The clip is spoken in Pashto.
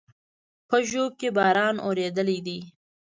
په ژوب کې باران اورېدلى دی